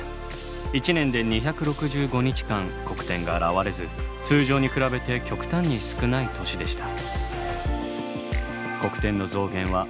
一年で２６５日間黒点が現れず通常に比べて極端に少ない年でした。